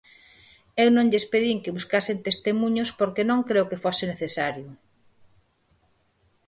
Eu non lles pedín que buscasen testemuños porque non creo que fose necesario.